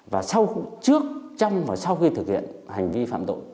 và trước trong và sau khi thực hiện hành vi phạm tội độc lập